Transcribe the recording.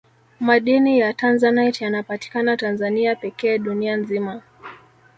madini ya tanzanite yanapatikana tanzania pekee dunia nzima